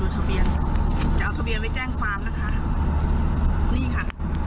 จะเอาทะเบียนไว้แจ้งความนะคะนี่ค่ะ